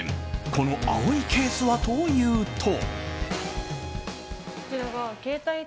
この青いケースはというと。